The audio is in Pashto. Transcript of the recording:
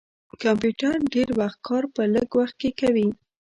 کمپیوټر د ډير وخت کار په لږ وخت کښې کوي